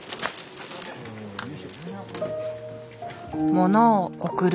物を送る。